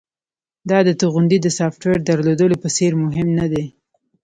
دا د توغندي د سافټویر درلودلو په څیر مهم ندی